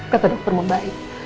kata dokter mau baik